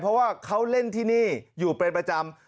เพราะว่าเขาเล่นที่นี่อยู่เป็นประจำ